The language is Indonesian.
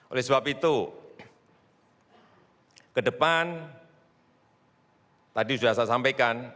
oleh sebab itu ke depan tadi sudah saya sampaikan